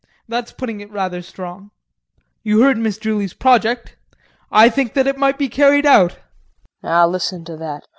That's putting it rather strong. You heard Miss Julie's project, I think it might be carried out. KRISTIN. Now listen to that!